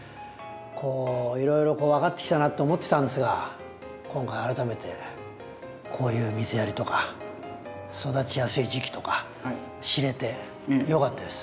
こういろいろ分かってきたなって思ってたんですが今回改めてこういう水やりとか育ちやすい時期とか知れてよかったです。